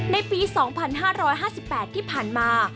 ในปี๒๕๕๘ที่ผ่านมา